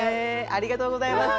ありがとうございます。